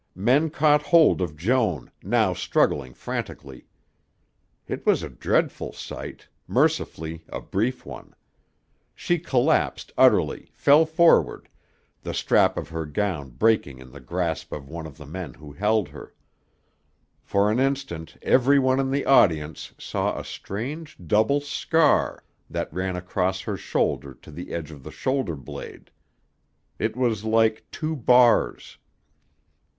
Men caught hold of Joan, now struggling frantically. It was a dreadful sight, mercifully a brief one. She collapsed utterly, fell forward, the strap of her gown breaking in the grasp of one of the men who held her. For an instant every one in the audience saw a strange double scar that ran across her shoulder to the edge of the shoulder blade. It was like two bars.